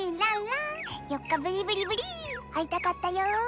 会いたかったよ！